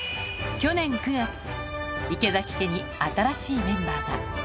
去年９月、池崎家に新しいメンバーが。